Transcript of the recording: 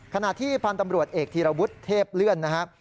ขณะที่พันธ์ตำรวจเอกธีรวุฒิเทพเลื่อนนะครับ